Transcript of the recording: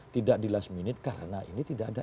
tidak di last minute karena ini tidak ada